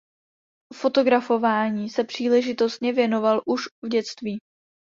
Fotografování se příležitostně věnoval už v dětství.